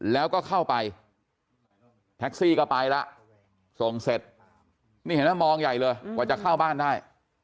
แล้วก็เข้าไปแท็กซี่ก็ไปแล้วส่งเสร็จนี่เห็นไหมมองใหญ่เลยกว่าจะเข้าบ้านได้